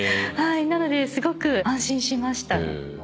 なのですごく安心しました。